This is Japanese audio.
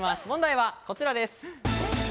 問題はこちらです。